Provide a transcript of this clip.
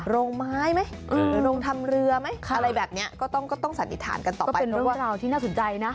โรงไม้ไหมหรือโรงทำเรือไหมอะไรแบบนี้ก็ต้องสันนิษฐานกันต่อไปเป็นเรื่องราวที่น่าสนใจนะ